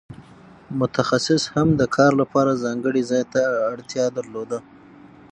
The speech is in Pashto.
متخصص هم د کار لپاره ځانګړي ځای ته اړتیا درلوده.